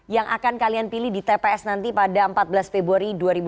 yang akan kalian pilih di tps nanti pada empat belas februari dua ribu dua puluh